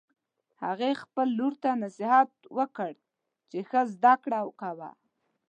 هغې خپل لور ته نصیحت وکړ چې ښه زده کړه کوه